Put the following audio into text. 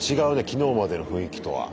昨日までの雰囲気とは。